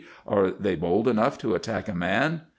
'Are they bold enough to attack a man?